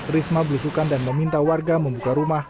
risma belusukan dan meminta warga membuka rumah